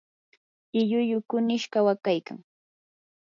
lllullu kunish kawakaykan.